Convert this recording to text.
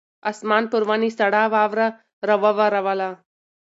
اسمان پر ونې سړه واوره راووروله.